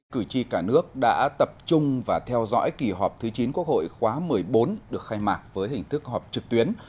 cử tri cả nước đã tập trung và theo dõi kỳ họp thứ chín quốc hội khóa một mươi bốn được khai mạc với hình thức họp trực tuyến